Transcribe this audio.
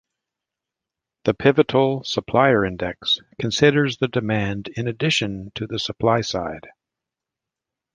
The Pivotal Supplier Index considers the demand in addition to the supply side.